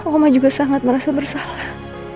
oma juga sangat merasa bersalah